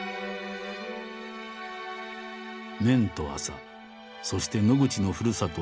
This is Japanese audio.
綿と麻そして野口のふるさと